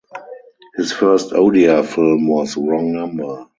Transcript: His first Odia film was "Wrong Number".